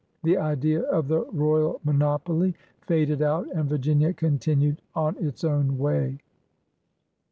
The idea of the royal monopoly faded out, and Virginia continued on its own way.